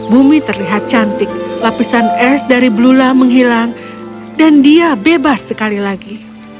bumi terlihat cantik lapisan es dari blula menghilang dan dia bebas sekali lagi